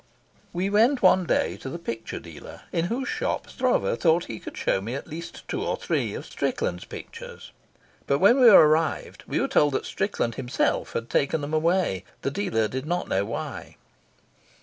We went one day to the picture dealer in whose shop Stroeve thought he could show me at least two or three of Strickland's pictures, but when we arrived were told that Strickland himself had taken them away. The dealer did not know why.